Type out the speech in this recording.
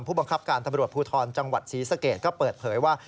ผู้บังคับการตำรวจภูทรจังหวัดศรีสะเกดก็เปิดเผยว่า